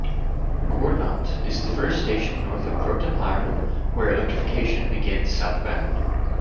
Cortlandt is the first station north of Croton-Harmon, where electrification begins southbound.